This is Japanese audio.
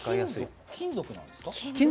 金属なんですか？